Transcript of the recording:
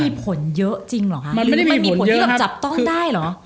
มันมีผลเยอะจริงหรอค่ะหรือมันมีผลที่เราจับต้องได้หรอ